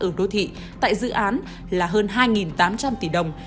ở đô thị tại dự án là hơn hai tám trăm linh tỷ đồng